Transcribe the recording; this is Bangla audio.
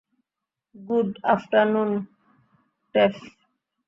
Good afternoon, tough.